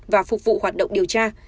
và phục vụ hoạt động điều tra